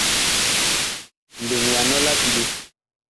Mbeŋ ya nɔ la diɓe.